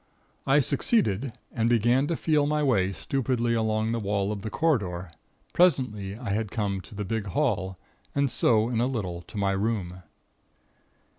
I succeeded, and began to feel my way stupidly along the wall of the corridor. Presently I had come to the big hall, and so in a little to my room.